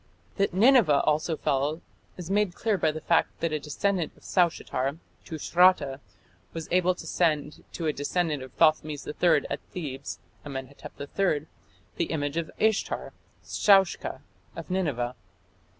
That Nineveh also fell is made clear by the fact that a descendant of Saushatar (Tushratta) was able to send to a descendant of Thothmes III at Thebes (Amenhotep III) the image of Ishtar (Shaushka) of Nineveh.